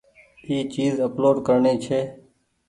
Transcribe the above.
اي چيز اپلوڊ ڪرڻي ڇي۔